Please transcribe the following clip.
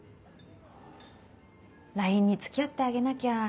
ＬＩＮＥに付き合ってあげなきゃ。